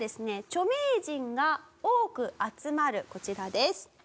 著名人が多く集まるこちらです。